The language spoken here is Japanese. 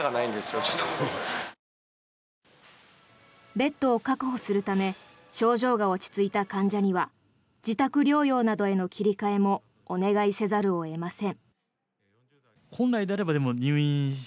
ベッドを確保するため症状が落ち着いた患者には自宅療養などへの切り替えもお願いせざるを得ません。